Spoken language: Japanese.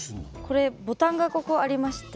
これボタンがここありまして。